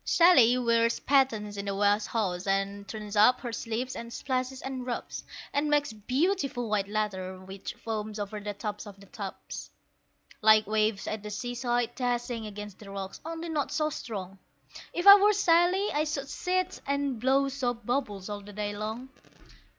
Sally wears pattens in the wash house, and turns up her sleeves, and splashes, and rubs, And makes beautiful white lather which foams over the tops of the tubs, Like waves at the seaside dashing against the rocks, only not so strong. If I were Sally I should sit and blow soap bubbles all the day long.